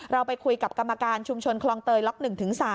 เราไปคุยกับกรรมการชุมชนคลองเตยล็อก๑๓